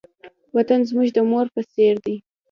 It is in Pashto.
وطن زموږ د مور په څېر دی.